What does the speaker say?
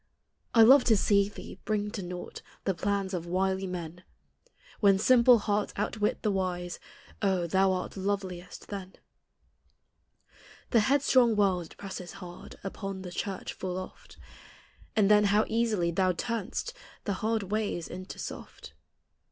I love to see thee bring to naught The plans of wily men; When simple hearts outwit the wise, Oh ? thou art loveliest then. The headstrong world it presses hard Upon the church full oft. And then how easily thou turn'st The hard ways into soft.